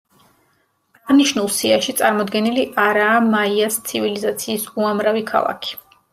აღნიშნულ სიაში წარმოდგენილი არაა მაიას ცივილიზაციის უამრავი ქალაქი.